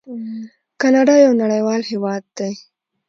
کاناډا یو نړیوال هیواد دی.